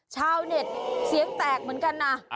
ชาวเน็ตเสียงแตกเหมือนกันนะ